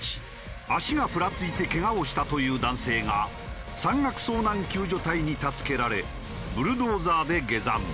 足がふらついてけがをしたという男性が山岳遭難救助隊に助けられブルドーザーで下山。